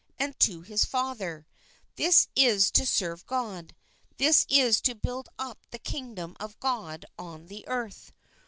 and to his Father, this is to serve God, this is iS"' 1 ":'" S ? to build up the Kingdom of God on the earth.